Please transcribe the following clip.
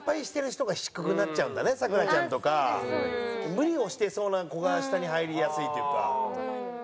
無理をしてそうな子が下に入りやすいっていうか。